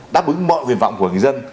đáp ứng mọi vui vọng của người dân